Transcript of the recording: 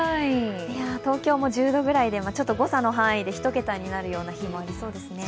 東京も１０度ぐらいで、誤差の範囲で１桁になるような日もありそうですね。